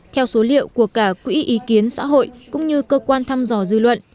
theo số liệu của cả quỹ ý kiến xã hội cũng như cơ quan thăm dò dư luận